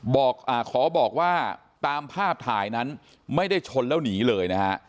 ขอบอกว่าตามภาพถ่ายนั้นไม่ได้ชนแล้วหนีเลยนะฮะ